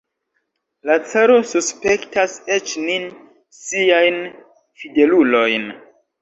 La caro suspektas eĉ nin, siajn fidelulojn!